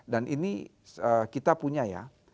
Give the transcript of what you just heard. dan ini kita punya ya